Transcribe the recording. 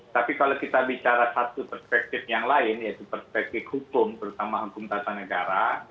tapi kalau kita bicara satu perspektif yang lain yaitu perspektif hukum terutama hukum tata negara